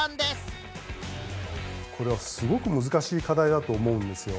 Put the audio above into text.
これはすごく難しい課題だと思うんですよ。